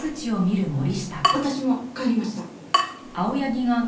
私も帰りました。